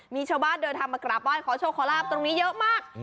มีชาวบ้านเดินทางมากราบไห้ขอโชคขอลาบตรงนี้เยอะมาก